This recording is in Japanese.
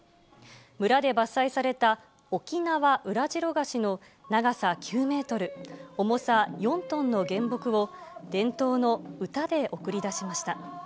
村で伐採されたオキナワウラジロガシの長さ９メートル、重さ４トンの原木を、伝統の歌で送り出しました。